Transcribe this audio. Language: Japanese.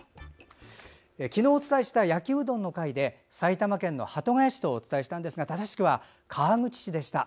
昨日お伝えした焼きうどんの回で埼玉県の鳩ヶ谷市とお伝えしたんですが正しくは川口市でした。